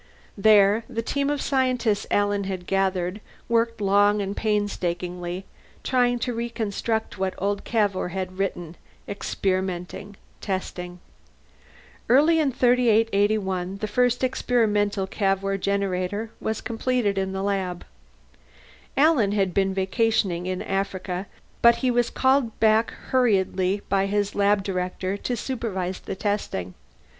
There, the team of scientists Alan had gathered worked long and painstakingly, trying to reconstruct what old Cavour had written, experimenting, testing. Early in 3881 the first experimental Cavour Generator was completed in the lab. Alan had been vacationing in Africa, but he was called back hurriedly by his lab director to supervise the testing.